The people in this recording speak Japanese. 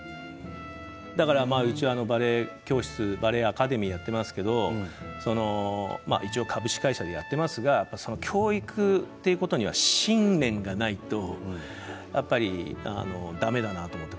だからうちはバレエ教室バレエアカデミーでやっていますけれど一応、株式会社でやっていますが教育ということには信念がないとやっぱりだめだなと思って。